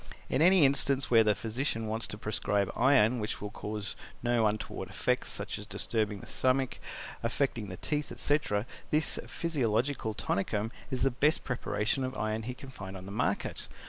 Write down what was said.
In any instance where the physician wants to prescribe iron which will cause no untoward effects, such as disturbing the stomach, affecting the teeth, etc., this PHYSIOLOGICAL TONICUM is the best preparation of iron he can find in the market.